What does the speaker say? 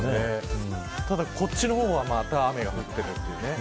こちらの方はまた雨が降っているというね。